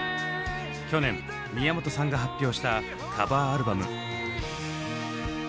去年宮本さんが発表したカバーアルバム。